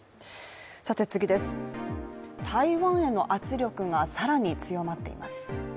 台湾への圧力が更に強まっています。